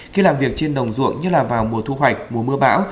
khi làm việc trên đồng ruộng như là vào mùa thu hoạch mùa mưa bão